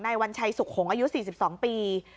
นายวัญชัยสุขงอายุ๔๒ปี